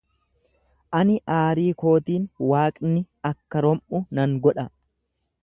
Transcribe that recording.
Ani aarii kootiin waaqni akka rom’u nan godha.